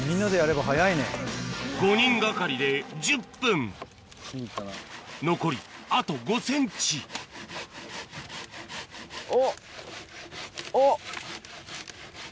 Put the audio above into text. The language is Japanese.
５人がかりで１０分残りあと５ｃｍおっおっ。